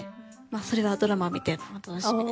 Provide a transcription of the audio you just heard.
それはドラマを見てのお楽しみで。